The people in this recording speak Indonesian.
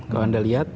kalau anda lihat